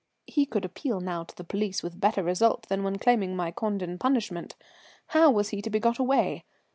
He could appeal now to the police with better result than when claiming my condign punishment. How was he to be got away?